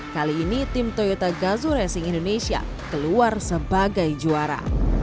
kali ini tim toyota gazo racing indonesia keluar sebagai juara